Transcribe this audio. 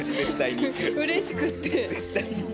うれしくて。